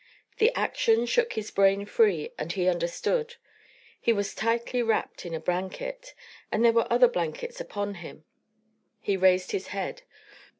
The action shook his brain free and he understood: he was tightly wrapped in a blanket, and there were other blankets upon him. He raised his head.